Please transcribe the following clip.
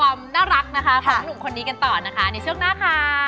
เออไม่ปิดแล้วแล้ว